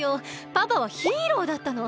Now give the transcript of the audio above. パパはヒーローだったの。